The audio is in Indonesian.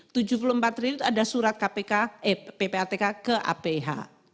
rp tujuh puluh empat triliun itu ada surat ppatk ke aph